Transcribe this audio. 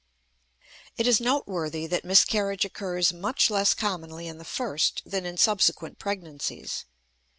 It is noteworthy that miscarriage occurs much less commonly in the first than in subsequent pregnancies.